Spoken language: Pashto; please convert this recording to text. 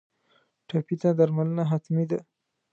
ټپي ته درملنه حتمي ده.